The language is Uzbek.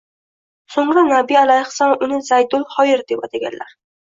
So‘ngra Nabiy alayhissalom uni Zaydul Xoyr, deb ataganlar